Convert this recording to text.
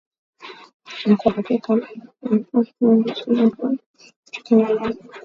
Na kwa hakika yapo yenye asili ya Kiajemi Kireno Kihindi Kijerumani Kiingereza kutokana na